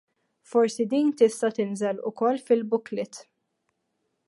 Forsi din tista' tinżel ukoll fil-booklet.